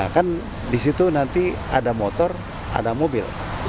kan di situ nanti ada motor ada mobil